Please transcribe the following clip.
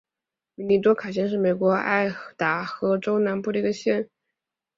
米尼多卡县是美国爱达荷州南部的一个县。